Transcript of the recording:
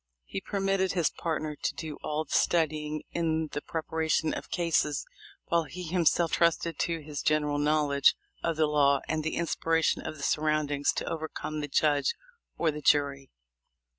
He permitted his partner to do all the studying in the preparation of cases, while he himself trusted to his general knowl edge of the law and the inspiration of the surround ings to overcome the judge or the jury.